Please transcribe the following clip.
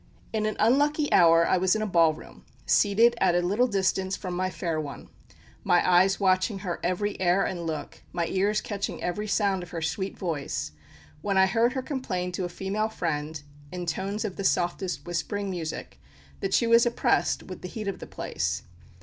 In an unlucky hour I was in a ball room, seated at a little distance from my fair one my eyes watching her every air and look, my ears catching every sound of her sweet voice when I heard her complain to a female friend, in tones of the softest whispering music, that she was oppressed with the heat of the place.